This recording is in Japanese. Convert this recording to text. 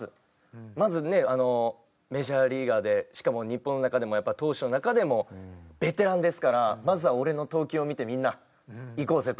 まずねメジャーリーガーでしかも日本の中でも投手の中でもベテランですからまずは俺の投球を見てみんないこうぜと。